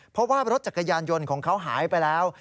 เพราะว่ารถจักรยานยนต์ของเขาหายไปแล้ว